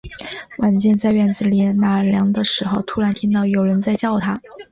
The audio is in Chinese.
晚间，在院子里纳凉的时候，突然听到有人在叫他